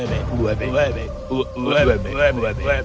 buat buat buat